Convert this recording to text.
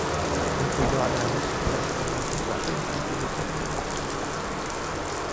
Influyó a grandes figuras como Ethel Waters y Billie Holiday.